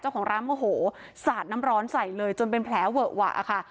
เจ้าของร้านโมโหสาดน้ำร้อนใส่เลยจนเป็นแผลเวอะหวะค่ะ